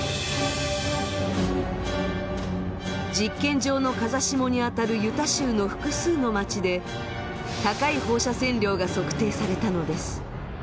実験場の風下にあたるユタ州の複数の町で高い放射線量が測定されたのです。